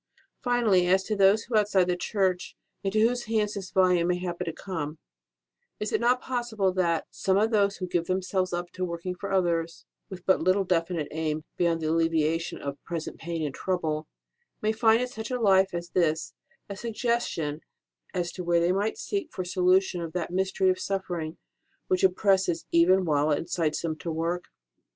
Finally, as to those outside the Church into whose hands this volume may happen to come : is it not possible that some of those who give themselves up to working for others, with but little definite aim beyond the alleviation of present pain and trouble, may find in such a life as this a suggestion as to where they may seek for a IQ2 ST. ROSE OF LIMA solution of that mystery of suffering which oppresses even while it incites them to work